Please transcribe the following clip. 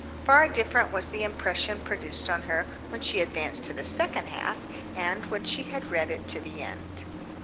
Far different was the impression produced on her when she advanced to the second half, and when she had read it to the end.